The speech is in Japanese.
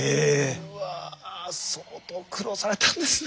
うわぁ相当苦労されたんですね。